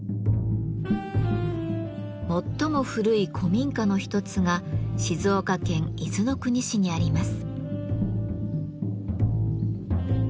最も古い古民家の一つが静岡県伊豆の国市にあります。